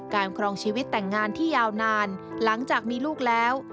ครองชีวิตแต่งงานที่ยาวนานหลังจากมีลูกแล้ว